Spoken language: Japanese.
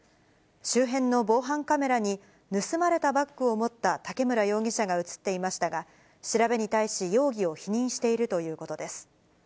周辺の防犯カメラに、盗まれたバッグを持った竹村容疑者が写っていましたが、調べに対し、容疑を否認しているということです。